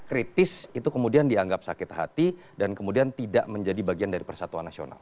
kritis itu kemudian dianggap sakit hati dan kemudian tidak menjadi bagian dari persatuan nasional